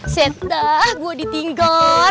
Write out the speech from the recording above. set dah gua ditinggal